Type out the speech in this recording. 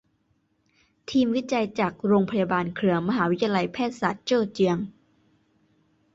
ทีมวิจัยจากโรงพยาบาลเครือมหาวิทยาลัยแพทยศาสตร์เจ้อเจียง